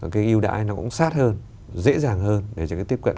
cái ưu đãi nó cũng sát hơn dễ dàng hơn để cho cái tiếp cận